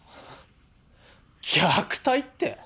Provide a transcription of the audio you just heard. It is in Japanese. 虐待って。